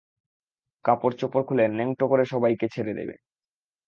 কাপড়চোপড় খুলে ন্যাংটো করে সবাইকে ছেড়ে দেবে।